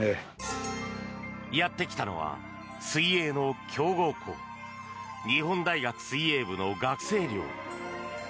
やってきたのは水泳の強豪校日本大学水泳部の学生寮。